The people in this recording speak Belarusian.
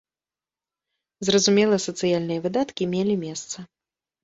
Зразумела, сацыяльныя выдаткі мелі месца.